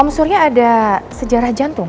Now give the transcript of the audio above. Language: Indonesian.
om surya ada sejarah jantung